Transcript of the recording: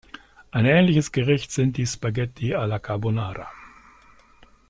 Ein ähnliches Gericht sind die Spaghetti alla carbonara.